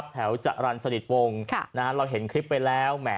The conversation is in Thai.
แถวจรรสนิทวงศ์เราเห็นคลิปไปแล้ว